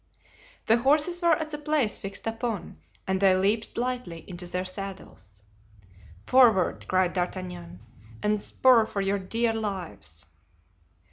The horses were at the place fixed upon, and they leaped lightly into their saddles. "Forward!" cried D'Artagnan, "and spur for your dear lives!"